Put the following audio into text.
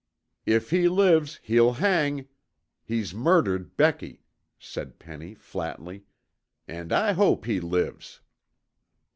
"If he lives, he'll hang! He's murdered Becky," said Penny flatly. "And I hope he lives."